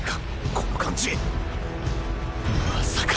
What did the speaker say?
この感じまさか！